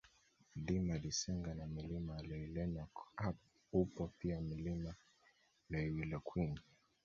Mlima Lisenga na Milima ya Loilenok upo pia Mlima Loiwilokwin